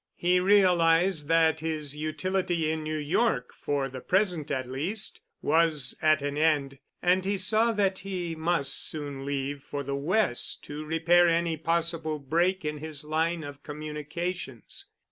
He realized that his utility in New York, for the present at least, was at an end, and he saw that he must soon leave for the West to repair any possible break in his line of communications.